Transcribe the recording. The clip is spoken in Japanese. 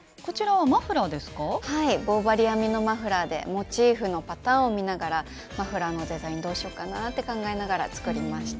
はい棒針編みのマフラーでモチーフのパターンを見ながらマフラーのデザインどうしようかなって考えながら作りました。